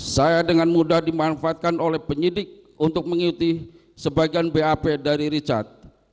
saya dengan mudah dimanfaatkan oleh penyidik untuk mengikuti sebagian bap dari richard